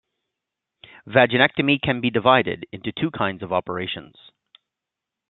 Vaginectomy can be divided into two kinds of operations.